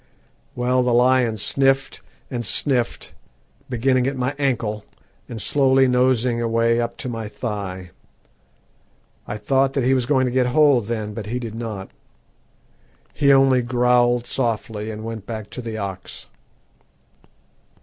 Well, the lion sniffed and sniffed, beginning at my ankle and slowly nosing away up to my thigh. I thought that he was going to get hold then, but he did not. He only growled softly, and went back to the ox.